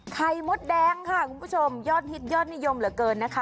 มดแดงค่ะคุณผู้ชมยอดฮิตยอดนิยมเหลือเกินนะคะ